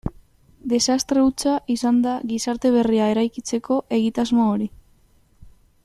Desastre hutsa izan da gizarte berria eraikitzeko egitasmo hori.